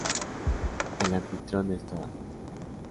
El anfitrión es Toad.